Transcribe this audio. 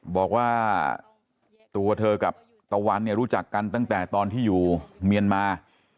บอกว่าตัวเธอกับตะวันเนี่ยรู้จักกันตั้งแต่ตอนที่อยู่เมียนมา